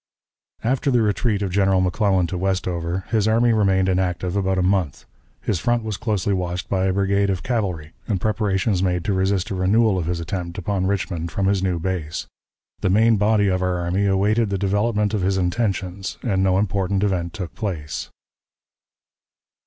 After the retreat of General McClellan to Westover, his army remained inactive about a month. His front was closely watched by a brigade of cavalry, and preparations made to resist a renewal of his attempt upon Richmond from his new base. The main body of our army awaited the development of his intentions, and no important event took place.